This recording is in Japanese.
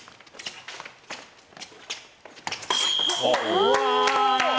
うわ！